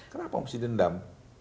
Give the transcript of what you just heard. kenapa mesti dendam